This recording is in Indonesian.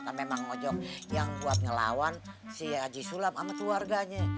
sama mang ojo yang buat ngelawan si haji sulam sama tuarganya